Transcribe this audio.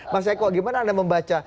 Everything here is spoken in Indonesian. mas eko gimana anda membaca